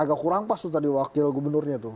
agak kurang pas tuh tadi wakil gubernurnya tuh